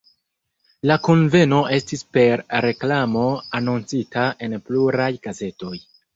La kunveno estis per reklamo anoncita en pluraj gazetoj.